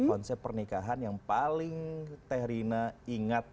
konsep pernikahan yang paling tehrina ingat